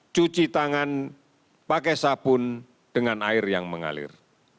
cuci tangan pakai sabun dengan air yang mengalir